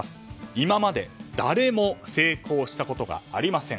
今まで誰も成功したことがありません。